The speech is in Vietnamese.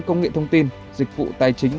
công nghệ thông tin dịch vụ tài chính